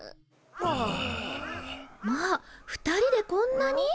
まあ２人でこんなに？